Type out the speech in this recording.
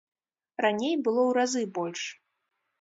Раней было ў разы больш.